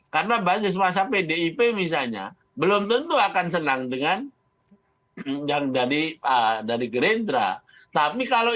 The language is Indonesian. karena basis masa pdip misalnya belum tentu akan senang dengan yang dari dari gerindra tapi kalau